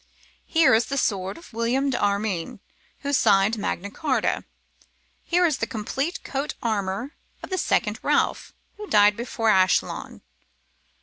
Here is the sword of William d'Armyn, who signed Magna Carta. Here is the complete coat armour of the second Ralph, who died before Ascalon.